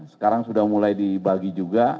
sekarang sudah mulai dibagi juga